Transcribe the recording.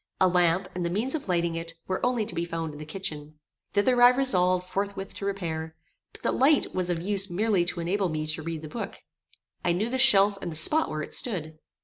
A lamp, and the means of lighting it, were only to be found in the kitchen. Thither I resolved forthwith to repair; but the light was of use merely to enable me to read the book. I knew the shelf and the spot where it stood.